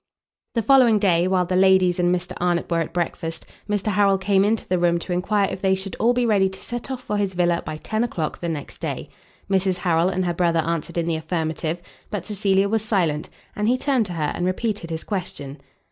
The following day, while the ladies and Mr Arnott were at breakfast, Mr Harrel came into the room to enquire if they should all be ready to set off for his villa by ten o'clock the next day. Mrs Harrel and her brother answered in the affirmative; but Cecilia was silent, and he turned to her and repeated his question.